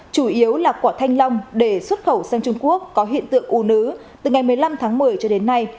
chủ yếu là quả thanh long để xuất khẩu sang trung quốc có hiện tượng ủ nứ từ ngày một mươi năm tháng một mươi cho đến nay